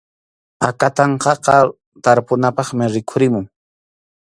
Akatanqaqa tarpunapaqmi rikhurimun.